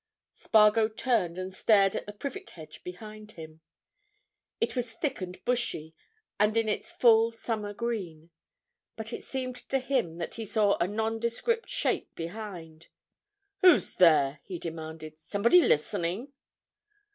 Spargo turned and stared at the privet hedge behind him. It was thick and bushy, and in its full summer green, but it seemed to him that he saw a nondescript shape behind. "Who's there?" he demanded. "Somebody listening?"